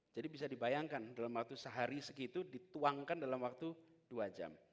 jadi bisa dibayangkan dalam waktu sehari segitu dituangkan dalam waktu dua jam